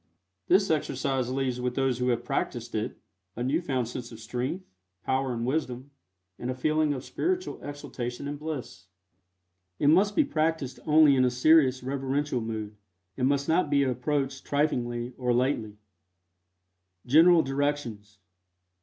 This exercise leaves with those who have practiced it a new found sense of strength, power and wisdom, and a feeling of spiritual exaltation and bliss. It must be practiced only in a serious, reverential mood, and must not be approached triflingly or lightly. GENERAL DIRECTIONS.